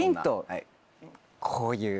こういう。